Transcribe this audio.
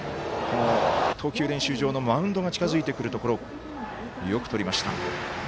投球練習場のマウンドが近づいてくるところよくとりました。